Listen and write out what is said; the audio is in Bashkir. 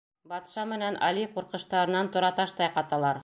Батша менән Али ҡурҡыштарынан тораташтай ҡаталар.